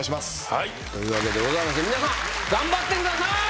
はいというわけでございまして皆さん頑張ってください！